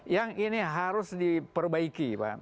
yang ini harus diperbaiki